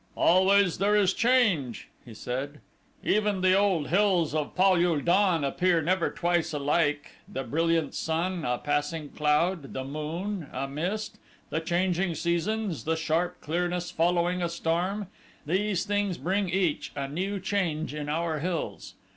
"Always there is change," he said. "Even the old hills of Pal ul don appear never twice alike the brilliant sun, a passing cloud, the moon, a mist, the changing seasons, the sharp clearness following a storm; these things bring each a new change in our hills.